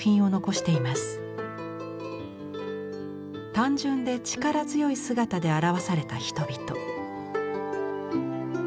単純で力強い姿で表された人々。